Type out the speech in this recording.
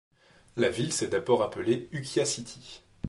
La ville s’est d’abord appelée Ukiah City.